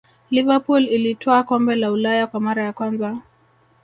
liverpool ilitwaa kombe la ulaya kwa mara ya kwanza